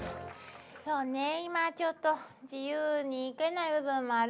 そうね今ちょっと自由に行けない部分もあるわよね。